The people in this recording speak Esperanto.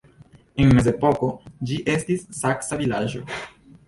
En mezepoko ĝi estis saksa vilaĝo.